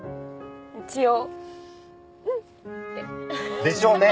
一応「うん」って。でしょうね！